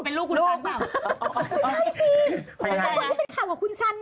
เป็นลูกคุณซันป่ะ